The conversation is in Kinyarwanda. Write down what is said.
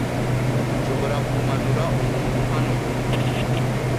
Nshobora kumanura umuntu hano kumfasha?